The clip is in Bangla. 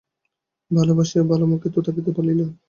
ভালোবাসিয়া ভালো মুখেই তো থাকিতে বলিলে।